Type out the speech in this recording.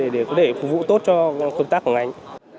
để có thể phục vụ tốt cho công tác của ngành